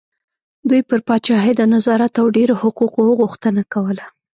دوی پر پاچاهۍ د نظارت او ډېرو حقوقو غوښتنه کوله.